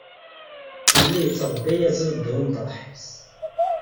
Yella yettṛebbi ayaziḍ ddaw umeṭreḥ-is.